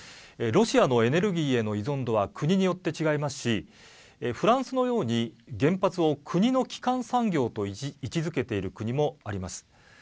ロシアのエネルギーへの依存度は国によって違いますしフランスのように原発を国の基幹産業と位置づけている国もあります。